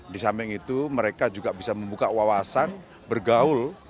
di samping itu mereka juga bisa membuka wawasan bergaul